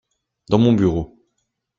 Dans mon bureau.